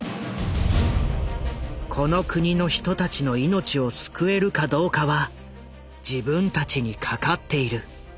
この国の人たちの命を救えるかどうかは自分たちにかかっている。